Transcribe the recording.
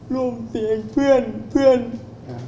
ร่วมเสียงเพื่อนพี่